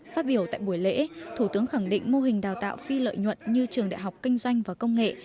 phát biểu tại buổi lễ thủ tướng khẳng định mô hình đào tạo phi lợi nhuận như trường đại học kinh doanh và công nghệ